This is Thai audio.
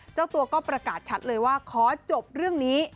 เจ้าตัวก็ประกาศชัดเลยว่าขอจบเรื่องนี้